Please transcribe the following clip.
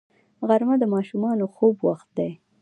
غرمه د ماشومانو د خوب وخت دی